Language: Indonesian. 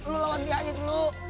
lu lawan dia aja dulu